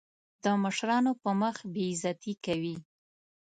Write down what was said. د مشرانو په مخ بې عزتي کوي.